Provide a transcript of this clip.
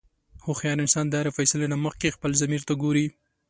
هوښیار انسان د هرې فیصلې نه مخکې خپل ضمیر ته ګوري.